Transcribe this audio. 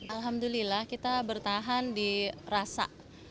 alhamdulillah kita bertahan di rasa